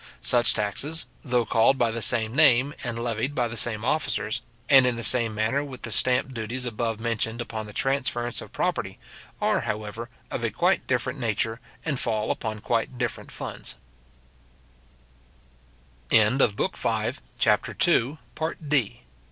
Such taxes, though called by the same name, and levied by the same officers, and in the same manner with the stamp duties above mentioned upon the transference of property, are, however, of a quite different nature, and fall upon quite different funds. ARTICLE III.—Taxes upon the Wages of Labour.